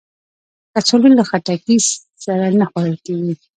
کچالو له خټکی سره نه خوړل کېږي